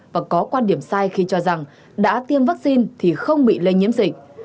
và có quan điểm sai khi cho rằng đã tiêm vaccine thì không bị lây nhiễm dịch